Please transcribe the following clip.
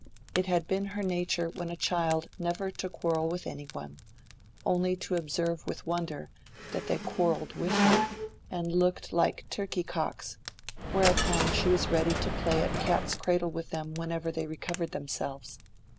It had been her nature when a child never to quarrel with any one—only to observe with wonder that they quarrelled with her, and looked like turkey cocks; whereupon she was ready to play at cat's cradle with them whenever they recovered themselves.